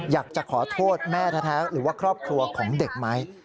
อยากจะขอโทษแม่แท้หรือว่าครอบครัวของเด็กไหม